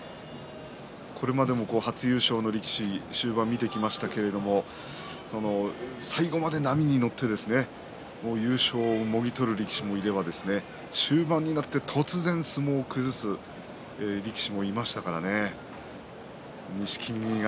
これまでも初優勝の力士終盤見てきましたけど最後まで波に乗って優勝をもぎ取る力士もいれば終盤になって突然相撲を崩す力士もいますからね。